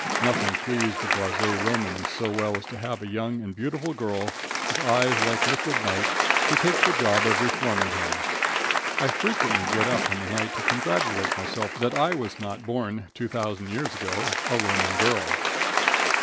Nothing pleased a blase Roman so well as to have a young and beautiful girl, with eyes like liquid night, to take the job of reforming him. I frequently get up in the night to congratulate myself that I was not born, 2,000 years ago, a Roman girl.